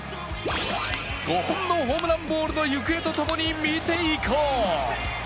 ５本のホームランボールの行方とともに見ていこう。